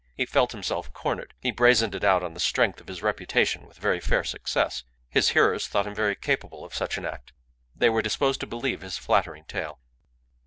He felt himself cornered. He brazened it out on the strength of his reputation with very fair success. His hearers thought him very capable of such an act. They were disposed to believe his flattering tale.